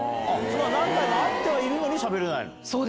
何回も会ってはいるのにしゃべれないの？